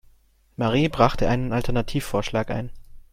Marie brachte einen Alternativvorschlag ein.